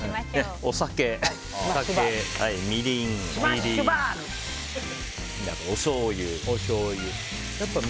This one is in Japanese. お酒、みりん、おしょうゆ。